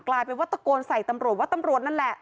กลายเป็นว่าตะโกนใส่ตำรวจว่าตำรวจนั่นแหละ